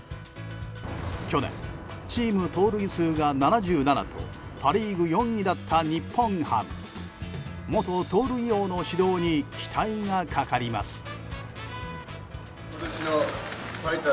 去年、チーム盗塁数が７７とパ・リーグ４位だった日本ハム。元盗塁王の指導に期待がかかります。